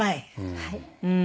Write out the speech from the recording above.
はい。